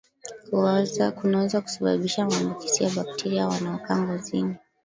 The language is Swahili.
kunaweza kusababisha maambukizi ya bakteria wanaokaa ngozini